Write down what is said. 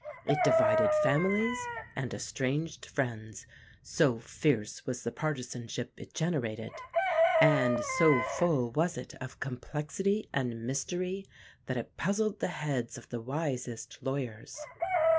It divided families and estranged friends, so fierce was the partisanship it generated; and so full was it of complexity and mystery that it puzzled the heads of the wisest lawyers.